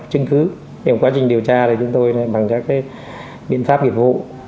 trong quá trình điều tra chúng tôi bằng các biện pháp nghiệp vụ